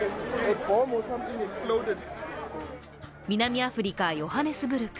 南アフリカ・ヨハネスブルク。